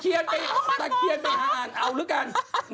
ชิคกี้พายสักเคียนไปเอาเหลือกัน